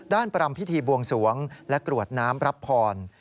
ปรำพิธีบวงสวงและกรวดน้ำรับพร